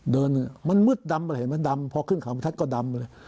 เดินมันมืดดำอะไรเห็นมันดำพอขึ้นเขาบรรทัศน์ก็ดำเลย